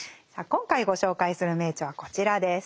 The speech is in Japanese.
今回ご紹介する名著はこちらです。